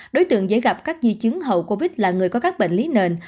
đối tượng dễ gặp các di chứng hậu covid là người có các bệnh lý nền